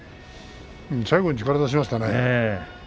最後に力を出しましたね。